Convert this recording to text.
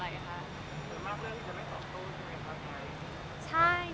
เกี่ยวกับเรื่องที่จะไม่ตอบต้น